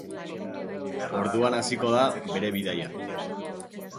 Orduan hasiko da bere bidaia.